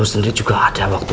sendiri juga ada waktu